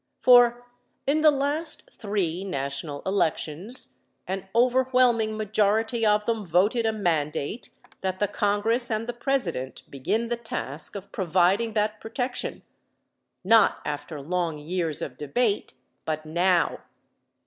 For in the last three national elections an overwhelming majority of them voted a mandate that the Congress and the President begin the task of providing that protection not after long years of debate, but now.